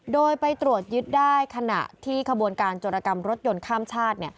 โดยไปตรวจยึดได้ขณะที่ขบวนการจรกรรมรถยนต์ข้ามชาติ